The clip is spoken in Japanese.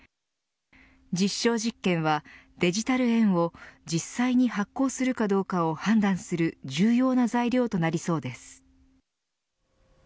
実証実験はデジタル円を実際に発行するかどうかを判断する重要な材料となりそうです。